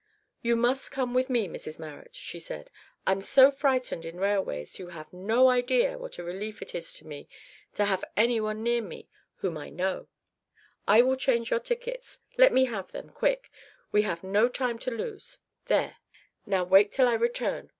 "You must come with me, Mrs Marrot," she said. "I'm so frightened in railways, you have no idea what a relief it is to me to have any one near me whom I know. I will change your tickets; let me have them, quick; we have no time to lose there now, wait till I return.